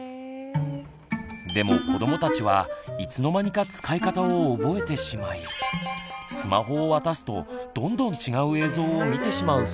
でも子どもたちはいつの間にか使い方を覚えてしまいスマホを渡すとどんどん違う映像を見てしまうそうです。